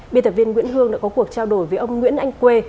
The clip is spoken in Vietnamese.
biên tập viên nguyễn hương đã có cuộc trao đổi với ông nguyễn anh quê